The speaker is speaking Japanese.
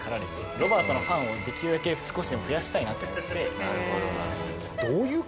ロバートのファンをできるだけ少しでも増やしたいなって思って。